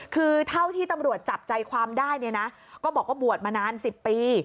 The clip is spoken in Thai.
คือเท่าที่ตำรวจจับใจความได้เนี่ยนะก็บอกว่าบวชมานาน๑๐ปี